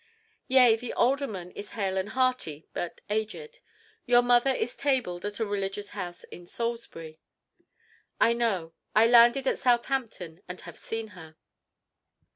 "Yea. The alderman is hale and hearty, but aged. Your mother is tabled at a religious house at Salisbury." "I know. I landed at Southampton and have seen her."